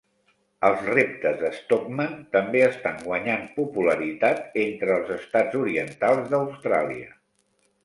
Els reptes de Stockman també estan guanyant popularitat entre els estats orientals d'Austràlia.